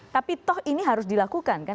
tapi toh ini harus dilakukan kan